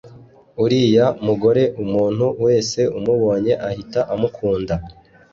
uriya mugore umuntu wese umubonye ahita amukunda